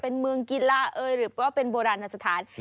เป็นเมืองกีฬะหรือเป็นโบราณภรรษฐาน